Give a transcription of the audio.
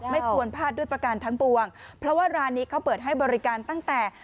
ไม่ควรพลาดด้วยประการทั้งปวงเพราะว่าร้านนี้เขาเปิดให้บริการตั้งแต่